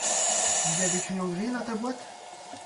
Il y a des crayons gris dans ta boîte ?